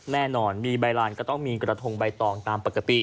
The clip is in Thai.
แน่นอนมีใบลานก็ต้องมีกระทงใบตองตามปกติ